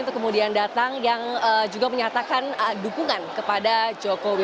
untuk kemudian datang yang juga menyatakan dukungan kepada jokowi